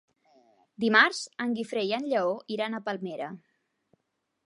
Dimarts en Guifré i en Lleó iran a Palmera.